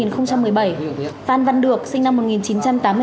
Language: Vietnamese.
phan văn được sinh năm một nghìn chín trăm tám mươi ba